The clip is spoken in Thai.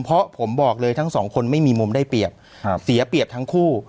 เพราะผมบอกเลยทั้งสองคนไม่มีมุมได้เปรียบเสียเปรียบทั้งคู่